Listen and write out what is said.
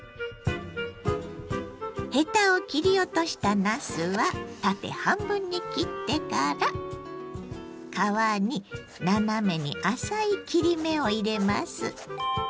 ヘタを切り落としたなすは縦半分に切ってから皮に斜めに浅い切り目を入れます。